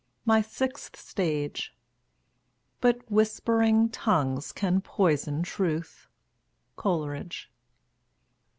MY SIXTH STAGE But whispering tongues can poison truth. COLERIDGE.